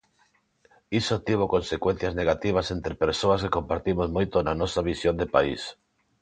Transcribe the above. Iso tivo consecuencias negativas entre persoas que compartimos moito na nosa visión de país.